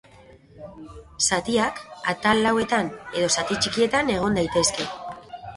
Zatiak, atal lauetan edo zati txikietan egon daitezke.